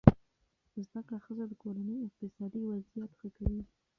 زده کړه ښځه د کورنۍ اقتصادي وضعیت ښه کوي.